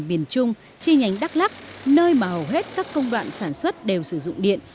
miền trung chi nhánh đắk lắc nơi mà hầu hết các công đoạn sản xuất đều sử dụng điện